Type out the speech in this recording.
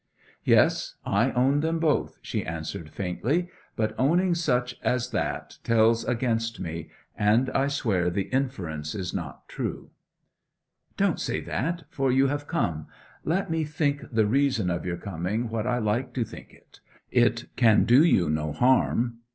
'Yes I own them both,' she answered faintly. 'But owning such as that tells against me; and I swear the inference is not true.' 'Don't say that; for you have come let me think the reason of your coming what I like to think it. It can do you no harm.